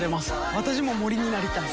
私も森になりたい。